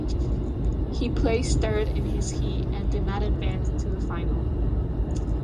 He placed third in his heat and did not advance to the final.